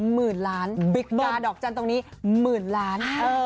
มือล้านบิ๊กกากลาดอกจันต์ตรงนี้มือล้าน